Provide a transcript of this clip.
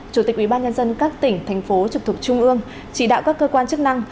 chủ tịch ubnd các tỉnh thành phố trực thuộc trung ương chỉ đạo các cơ quan chức năng